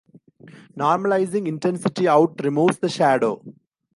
Normalizing intensity out removes the shadow.